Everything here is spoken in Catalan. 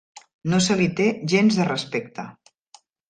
No se li té gens de respecte.